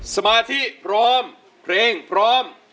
สมาธิพร้อมเพลงพร้อม